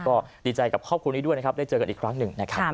ก็ดีใจกับครอบครัวนี้ด้วยนะครับได้เจอกันอีกครั้งหนึ่งนะครับ